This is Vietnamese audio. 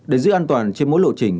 để giữ an toàn trên mỗi lộ trình